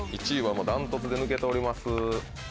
１位は断トツで抜けております。